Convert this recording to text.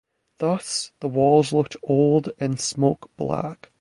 Thus the walls looked old and smoke-black.